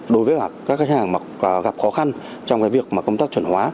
đối với các khách hàng gặp khó khăn trong việc công tác chuẩn hóa